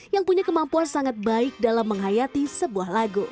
yang punya kemampuan sangat baik dalam menghayati sebuah lagu